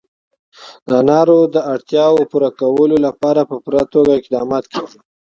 د انارو د اړتیاوو پوره کولو لپاره په پوره توګه اقدامات کېږي.